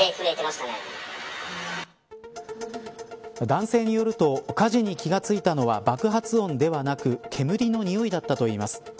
男性によると火事に気が付いたのは爆発音ではなく煙の臭いだったといいます。